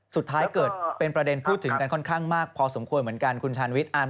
สุดท้ายเกิดเป็นประเด็นพูดถึงกันค่อนข้างมากพอสมควรเหมือนกันคุณชาญวิทย์